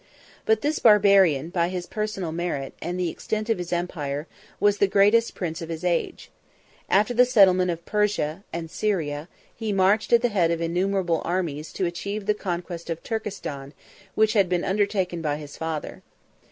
But this Barbarian, by his personal merit, and the extent of his empire, was the greatest prince of his age. After the settlement of Persia and Syria, he marched at the head of innumerable armies to achieve the conquest of Turkestan, which had been undertaken by his father.